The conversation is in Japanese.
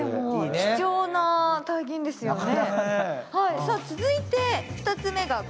貴重な体験ですよね。